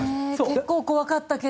結構怖かったけど。